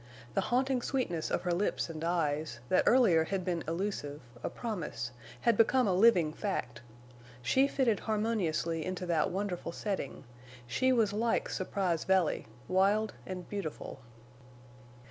The haunting sweetness of her lips and eyes, that earlier had been illusive, a promise, had become a living fact. She fitted harmoniously into that wonderful setting; she was like Surprise Valley—wild and beautiful.